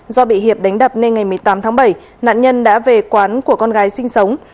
do bị hiệp đánh đập nên ngày một mươi tám tháng bảy nạn nhân đã về quán của con gái sinh sống